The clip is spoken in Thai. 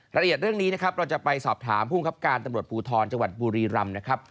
รายละเอียดเรื่องนี้นะครับเราจะไปสอบถามภูมิครับการตำรวจภูทรจังหวัดบุรีรำนะครับ